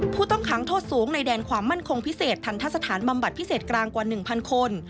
ผู้ต้องขังโทษสูงในแดนความมั่นคงพิเศษทันทะสถานบำบัดพิเศษกลางกว่า๑๐๐คน